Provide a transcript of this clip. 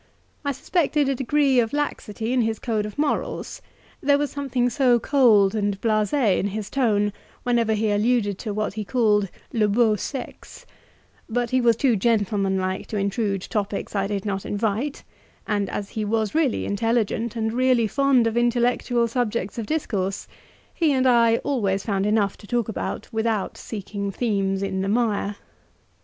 I suspected a degree of laxity in his code of morals, there was something so cold and BLASE in his tone whenever he alluded to what he called "le beau sexe;" but he was too gentlemanlike to intrude topics I did not invite, and as he was really intelligent and really fond of intellectual subjects of discourse, he and I always found enough to talk about, without seeking themes in the mire.